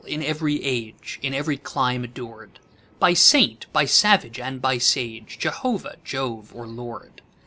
in ev'ry age, In ev'ry clime ador'd, By saint, by savage, and by sage, Jehovah, Jove, or Lord!